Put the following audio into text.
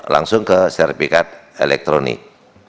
langsung ke sertifikat elektronik